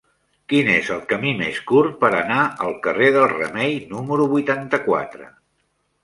Quin és el camí més curt per anar al carrer del Remei número vuitanta-quatre?